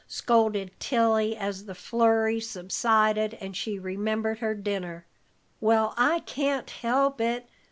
scolded Tilly, as the flurry subsided and she remembered her dinner. "Well, I can't help it.